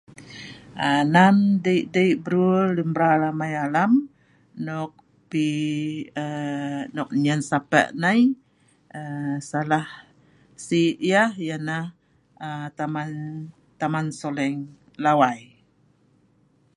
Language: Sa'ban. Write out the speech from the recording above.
aaa nan dei dei brul lun mral amei alam nok pi aaa nok nyen sape nei aaa salah sik yeh ia neh aaa taman taman Soleng Lawai